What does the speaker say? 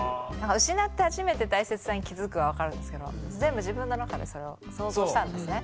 失って初めて大切さに気付くは分かるんですけど全部自分の中でそれを想像したんですね